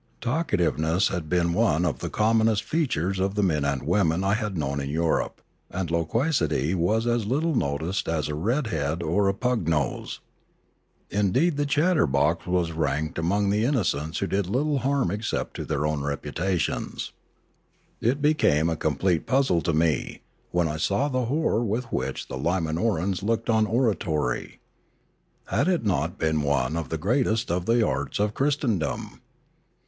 Talkativeness had been one of the commonest features of the men and women I had known in Europe; and loquacity was as little noticed as a red head or a pug nose. Indeed the chatterbox was ranked among the innocents who did little harm except to their own reputations. It became a complete puzzle to me, when I saw the horror with which the Limanoraus looked on 4oo Limanora oratory. Had it not been one of the greatest of the arts of Christendom